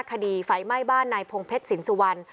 คดีไฟไหม้บ้านนายพงเพชรสินสุวรรณ